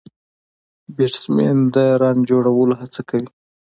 بيټسمېن د رن جوړولو هڅه کوي.